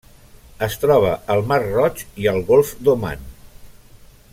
Es troba al Mar Roig i al Golf d'Oman.